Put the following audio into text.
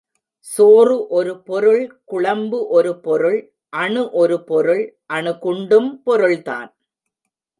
சோறு ஒரு பொருள் குழம்பு ஒரு பொருள் அணு ஒரு பொருள் அணு குண்டும் பொருள்தான்.